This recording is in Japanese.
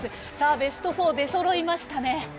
ベスト４出そろいましたね。